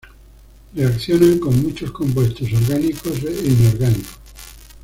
Reaccionan con muchos compuestos orgánicos e inorgánicos.